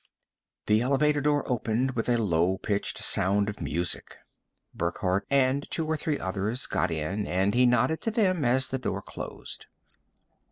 The elevator door opened with a low pitched sound of music. Burckhardt and two or three others got in and he nodded to them as the door closed.